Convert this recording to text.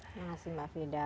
terima kasih mbak frida